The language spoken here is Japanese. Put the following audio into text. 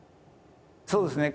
そうですね。